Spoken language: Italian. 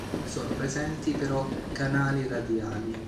Non sono presenti però canali radiali.